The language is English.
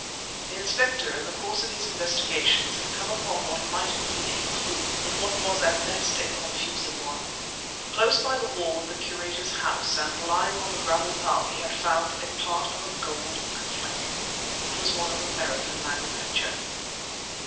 The inspector, in the course of his investigations, had come upon what might have been a clue, but what was at best a confusing one. Close by the wall of the curator's house and lying on the gravel path he had found a part of a gold cuff link. It was of American manufacture.